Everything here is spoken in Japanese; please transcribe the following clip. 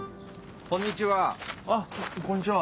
こんにちは！